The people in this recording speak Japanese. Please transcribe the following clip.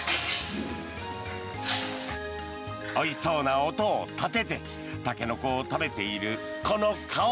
おいしそうな音を立ててタケノコを食べているこの顔。